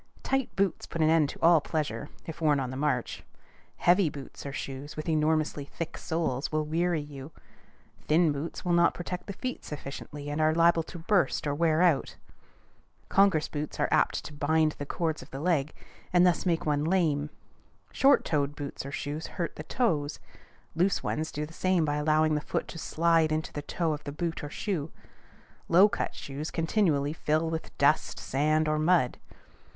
Tight boots put an end to all pleasure, if worn on the march; heavy boots or shoes, with enormously thick soles, will weary you; thin boots will not protect the feet sufficiently, and are liable to burst or wear out; Congress boots are apt to bind the cords of the leg, and thus make one lame; short toed boots or shoes hurt the toes; loose ones do the same by allowing the foot to slide into the toe of the boot or shoe; low cut shoes continually fill with dust, sand, or mud.